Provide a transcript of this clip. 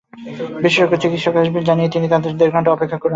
বিশেষজ্ঞ চিকিৎসক আসবেন জানিয়ে তিনি তাঁদের সেখানে দেড় ঘণ্টা অপেক্ষা করান।